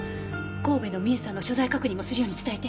神戸の美恵さんの所在確認もするように伝えて。